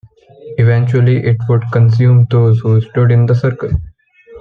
Eventually it would consume those who stood in the circle.